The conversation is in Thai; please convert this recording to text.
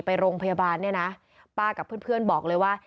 ไปโรงพยาบาลเนี่ยนะป้ากับเพื่อนบอกเลยว่า